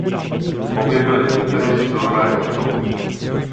Obě byly nuceny z turnaje odstoupit.